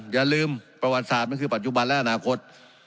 อย่าลืมประวัติศาสตร์มันคือปัจจุบันและอนาคต